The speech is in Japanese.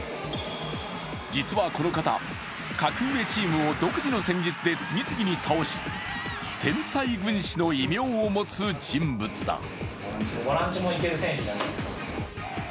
実はこの方、格上チームを独自の戦術で次々に倒し天才軍師の異名を持つ人物だ。